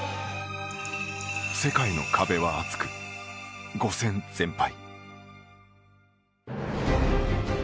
世界の壁は厚く、５戦全敗。